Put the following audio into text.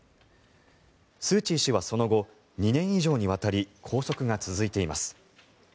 スーチー氏はその後、２年以上にわたり拘束が続いています。